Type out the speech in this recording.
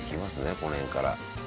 この辺から。